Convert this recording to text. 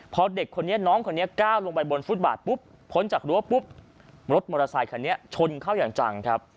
พอเด็กน้องคนนี้ก้าวลงไปบนฟุตบาทพ้นจากรั้วรถมอเตอร์ไซคันนี้ชนเข้าอย่างจัง